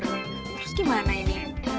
terus gimana ini